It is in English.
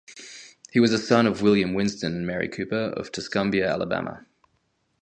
He was a son of William Winston and Mary Cooper of Tuscumbia Alabama.